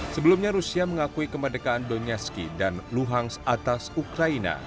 sebelumnya rusia mengakui kemerdekaan donetski dan luhansk atas ukraina